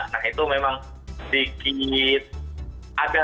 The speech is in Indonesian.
nah itu memang sedikit agar agar